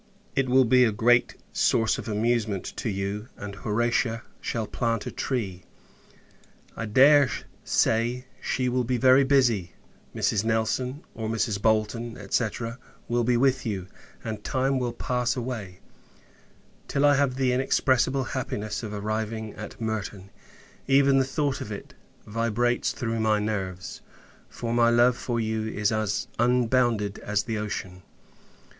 It will be a great source of amusement to you; and Horatia shall plant a tree. I dare say, she will be very busy. Mrs. Nelson, or Mrs. Bolton, &c. will be with you; and time will pass away, till I have the inexpressible happiness of arriving at Merton. Even the thought of it vibrates through my nerves; for, my love for you is as unbounded as the ocean!